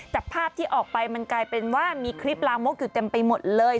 แต่ภาพที่ออกไปมันกลายเป็นว่ามีคลิปลามกอยู่เต็มไปหมดเลย